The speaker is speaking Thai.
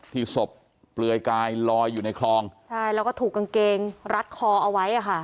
ที่ศพเปลือยกายลอยอยู่ในคลองใช่แล้วก็ถูกกางเกงรัดคอเอาไว้อ่ะค่ะ